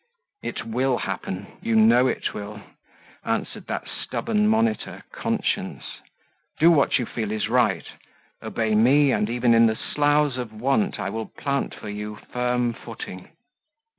"It will happen; you KNOW it will," answered that stubborn monitor, Conscience. "Do what you feel is right; obey me, and even in the sloughs of want I will plant for you firm footing."